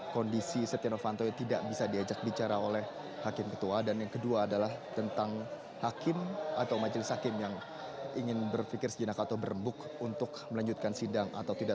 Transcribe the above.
kondisi setia novanto tidak bisa diajak bicara oleh hakim ketua dan yang kedua adalah tentang hakim atau majelis hakim yang ingin berpikir sejenak atau berembuk untuk melanjutkan sidang atau tidak